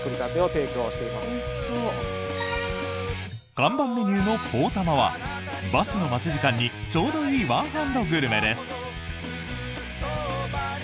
看板メニューのポーたまはバスの待ち時間にちょうどいいワンハンドグルメです。